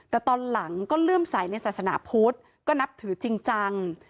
แต่ตอนหลังก็เลื่อมใสในศาสนาพุทธก็นับถือจริงจัง